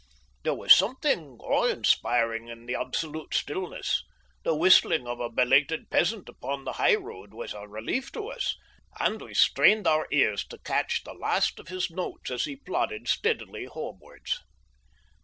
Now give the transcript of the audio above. There was something awe inspiring in the absolute stillness. The whistling of a belated peasant upon the high road was a relief to us, and we strained our ears to catch the last of his notes as he plodded steadily homewards.